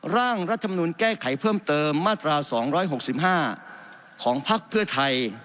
ร่างรัฐธรรมนุนแก้ไขเพิ่มเติมมาตราสองร้อยหกสิบห้าของภาคเพื่อไทย